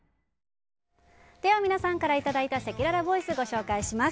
では皆さんからいただいたせきららボイスをご紹介します。